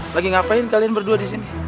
lagi ngapain kalian berdua disini